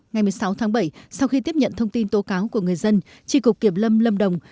ngày một mươi sáu tháng bảy sau khi tiếp nhận thông tin tố cáo của người dân tri cục kiểm lâm lâm đồng